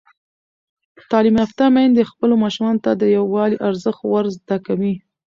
تعلیم یافته میندې خپلو ماشومانو ته د یووالي ارزښت ور زده کوي.